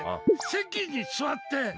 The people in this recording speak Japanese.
席に座って。